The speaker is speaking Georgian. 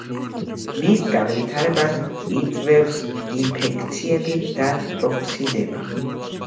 მის განვითარებას იწვევს ინფექციები და ტოქსინები.